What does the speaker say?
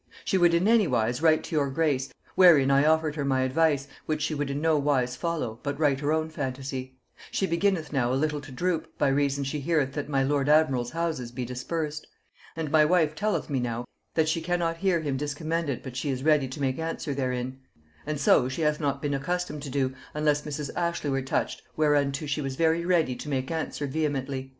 She would in any wise write to your grace, wherein I offered her my advice, which she would in no wise follow, but write her own phantasy. She beginneth now a little to droop, by reason she heareth that my lord admiral's houses be dispersed. And my wife telleth me now, that she cannot hear him discommended but she is ready to make answer therein; and so she hath not been accustomed to do, unless Mrs. Ashley were touched, whereunto she was very ready to make answer vehemently."